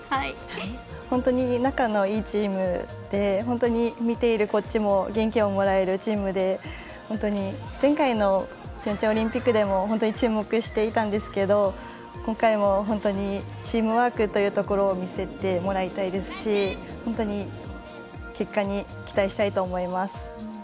本当に仲のいいチームで見ているこっちも元気をもらえるチームで本当に、前回のピョンチャンオリンピックでも注目していたんですけど今回もチームワークというところを見せてもらいたいですし結果に期待したいと思います。